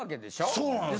そうなんですよ。